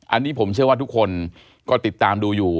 อันนี้ผมเชื่อว่าทุกคนก็ติดตามดูอยู่